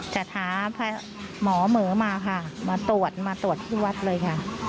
จะถามหมอเหมือมาค่ะมาตรวจมาตรวจที่วัดเลยค่ะ